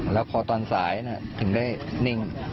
แล้วพอตอนสายถึงได้นิ่ง